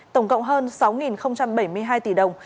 tổng cộng hơn sáu bảy mươi hai tỷ đồng